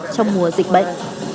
trong mùa dịch bệnh